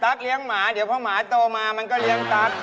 เลี้ยงหมาเดี๋ยวพอหมาโตมามันก็เลี้ยงตั๊ก